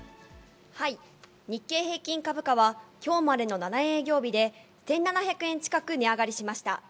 日経平均株価は、きょうまでの７営業日で１７００円近く値上がりしました。